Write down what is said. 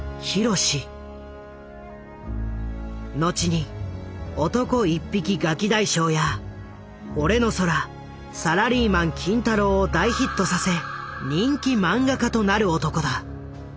後に「男一匹ガキ大将」や「俺の空」「サラリーマン金太郎」を大ヒットさせ人気漫画家となる男だ。